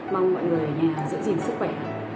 mong mọi người ở nhà giữ gìn sức khỏe